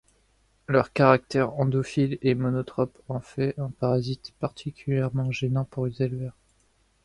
Leur caractère endophile et monotrope en fait un parasite particulièrement gênant pour les éleveurs.